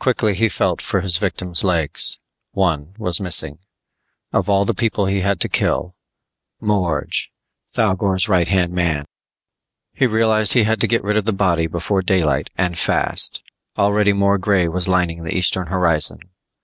Quickly he felt for his victim's legs; one was missing. Of all the people he had to kill Morge! Thougor's right hand man. He realized he had to get rid of the body before daylight and fast! Already more grey was lining the eastern horizon.